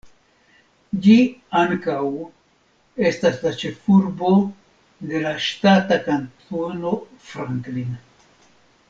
Ĝi ankaŭ estas la ĉefurbo de la ŝtata Kantono Franklin.